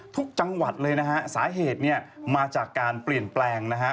จังหวัดเลยนะฮะสาเหตุเนี่ยมาจากการเปลี่ยนแปลงนะฮะ